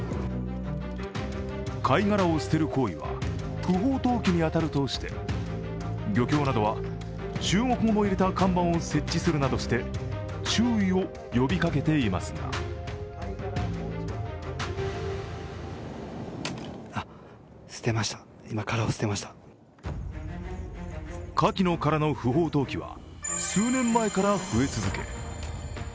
貝殻を捨てる行為は不法投棄に当たるとして漁協などは、中国語も入れた看板を設置するなどして注意を呼びかけていますがカキの殻の不法投棄は数年前から増え続け